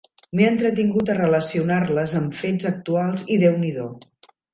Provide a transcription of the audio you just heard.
M'he entretingut a relacionar-les amb fets actuals i déu n'hi do.